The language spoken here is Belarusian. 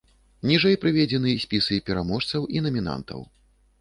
Ніжэй прыведзены спісы пераможцаў і намінантаў.